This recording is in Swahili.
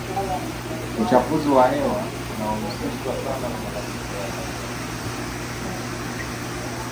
uchafuzi wa hewa unahusishwa sana na mabadiliko ya tabianchi na